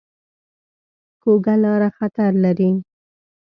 کوږه لاره خطر لري